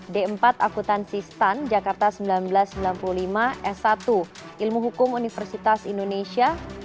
d empat akutansi stan jakarta seribu sembilan ratus sembilan puluh lima s satu ilmu hukum universitas indonesia